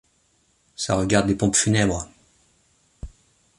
Ça regarde les Pompes Funèbres.